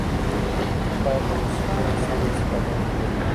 موږ بايد له وسيلو سمه استفاده وکړو.